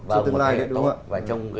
cho tương lai đấy đúng không ạ